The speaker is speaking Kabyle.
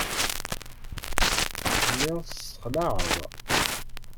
Telliḍ tessexlaɛeḍ.